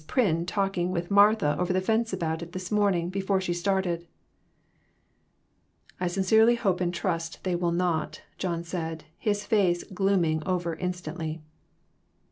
Pryn talking with Martha over the fence about it this morning, before she started." "I sincerely hope and trust they will not," John said, his face glooming over instantly.